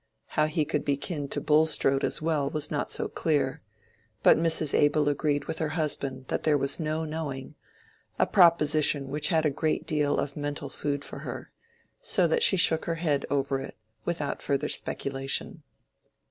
How he could be "kin" to Bulstrode as well was not so clear, but Mrs. Abel agreed with her husband that there was "no knowing," a proposition which had a great deal of mental food for her, so that she shook her head over it without further speculation.